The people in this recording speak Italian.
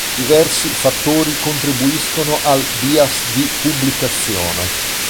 Diversi fattori contribuiscono al bias di pubblicazione.